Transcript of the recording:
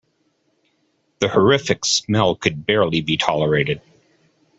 The horrific smell could barely be tolerated.